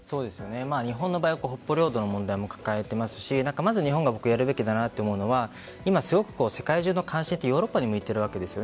日本の場合北方領土の問題も抱えていますしまず日本がやるべきだなと思うのは今、すごく世界中の関心ってヨーロッパに向いているわけです。